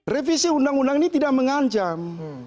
revisi undang undang ini tidak mengancam